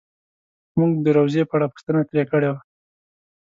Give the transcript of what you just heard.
مونږ د روضې په اړه پوښتنه ترې کړې وه.